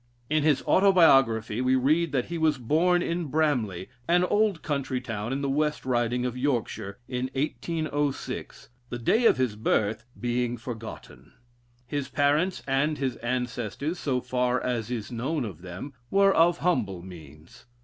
In his autobiography, we read that he was born in Bramley, an old country town in the West Riding of Yorkshire, in 1806, the day of his birth being forgotten. His parents, and his ancestors, so far as is known of them, were of humble means.